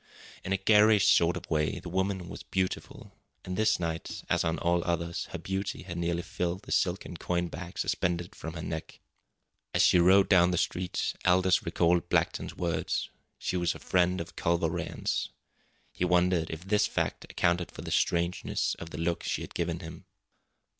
In a garish sort of way the woman was beautiful, and this night, as on all others, her beauty had nearly filled the silken coin bag suspended from her neck. As she rode down the street Aldous recalled Blackton's words: She was a friend of Culver Rann's. He wondered if this fact accounted for the strangeness of the look she had given him.